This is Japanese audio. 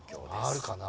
回るかな。